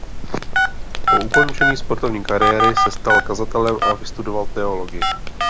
Po ukončení sportovní kariéry se stal kazatelem a vystudoval teologii.